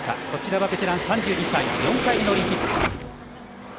こちらはベテラン、３２歳４回目のオリンピック。